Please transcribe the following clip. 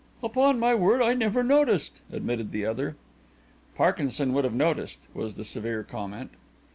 "Upon my word, I never noticed," admitted the other. "Parkinson would have noticed," was the severe comment.